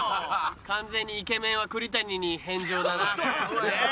完全にイケメンは栗谷に返上だな。